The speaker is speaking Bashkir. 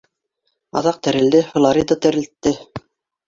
Аҙаҡ терелде, Флорида терелтте.